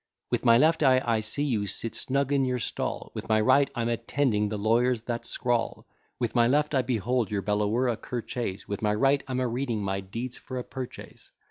With my left eye, I see you sit snug in your stall, With my right I'm attending the lawyers that scrawl With my left I behold your bellower a cur chase; With my right I'm a reading my deeds for a purchase.